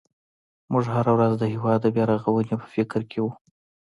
موږ هره ورځ د هېواد د بیا رغونې په فکر کې وو.